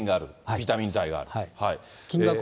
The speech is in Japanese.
ビタミン剤がある。